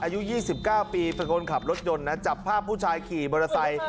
อายุ๒๙ปีเป็นคนขับรถยนต์นะจับภาพผู้ชายขี่มอเตอร์ไซค์